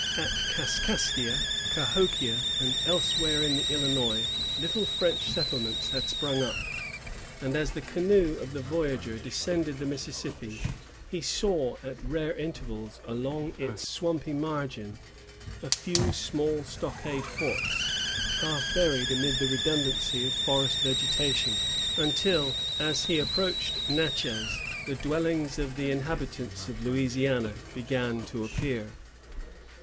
At Kaskaskia, Cahokia, and elsewhere in the Illinois, little French settlements had sprung up; and as the canoe of the voyager descended the Mississippi, he saw, at rare intervals, along its swampy margin, a few small stockade forts, half buried amid the redundancy of forest vegetation, until, as he approached Natchez, the dwellings of the habitans of Louisiana began to appear.